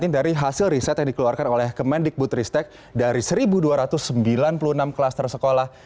dari hasil riset yang dikeluarkan oleh kemendikbutristek dari satu dua ratus sembilan puluh enam klaster sekolah